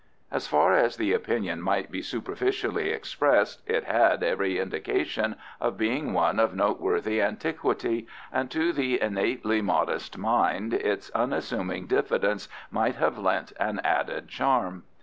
As far as the opinion might be superficially expressed it had every indication of being one of noteworthy antiquity, and to the innately modest mind its unassuming diffidence might have lent an added charm.